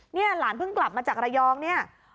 นี่หลานเพิ่งกลับมาจากระยองเนี่ย